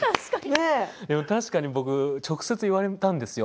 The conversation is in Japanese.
確かに直接言われたんですよ。